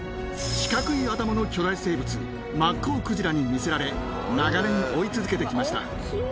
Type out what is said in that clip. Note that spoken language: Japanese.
四角い頭の巨大生物マッコウクジラに魅せられ長年追い続けて来ました。